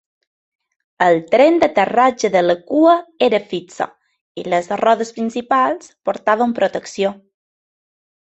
El tren d'aterratge de la cua era fixe i les rodes principals portaven protecció.